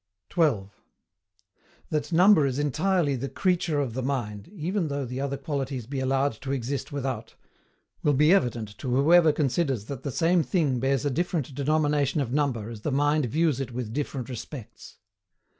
12. That NUMBER is entirely THE CREATURE OF THE MIND, even though the other qualities be allowed to exist without, will be evident to whoever considers that the same thing bears a different denomination of number as the mind views it with different respects.